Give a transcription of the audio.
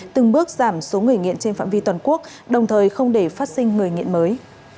từng bước giảm số người nghiện trên phạm vi toàn quốc đồng thời không để phát sinh người nghiện mới